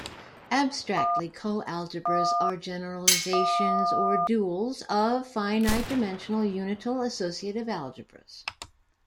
Abstractly, coalgebras are generalizations, or duals, of finite-dimensional unital associative algebras.